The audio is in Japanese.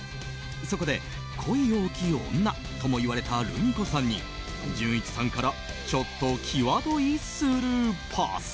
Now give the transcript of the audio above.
そこで、恋多き女ともいわれたルミ子さんにじゅんいちさんからちょっときわどいスルーパス。